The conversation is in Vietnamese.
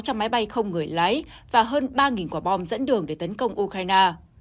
sáu trăm linh máy bay không người lái và hơn ba quả bom dẫn đường để tấn công ukraine